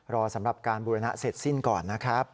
รอสำหรับการบูรณะเสร็จสิ้นก่อนนะครับ